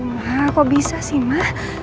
ma kok bisa sih ma